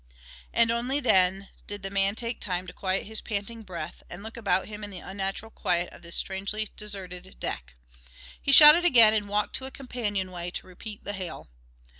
And only then did the man take time to quiet his panting breath and look about him in the unnatural quiet of this strangely deserted deck. He shouted again and walked to a companionway to repeat the hail.